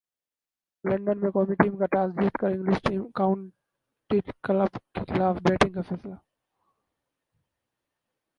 London قومی team کا toss جیت کر انگلش کانٹی کلب کیخلاف بیٹنگ کا فیصلہ